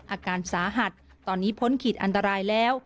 อาการสาหัสตอนนี้พ้นขีดอันตรายแล้ว